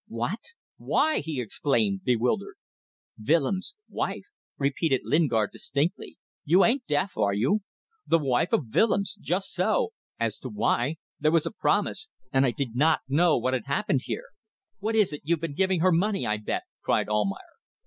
"What? Why!" he exclaimed, bewildered. "Willems' wife," repeated Lingard distinctly. "You ain't deaf, are you? The wife of Willems. Just so. As to why! There was a promise. And I did not know what had happened here." "What is it. You've been giving her money, I bet," cried Almayer.